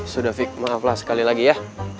sudah fik maaflah sekali lagi ya